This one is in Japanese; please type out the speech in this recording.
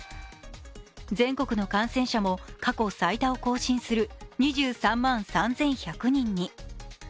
全国の感染者も過去最多を更新する２３万３１００人に。